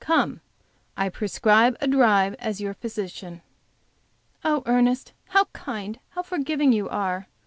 "Come! I prescribe a drive, as your physician." "Oh, Ernest, how kind, how forgiving you are?"